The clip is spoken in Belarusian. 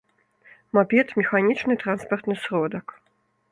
мапед — механічны транспартны сродак